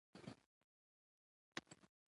د ژبي وده د علمي کارونو له لارې کیږي.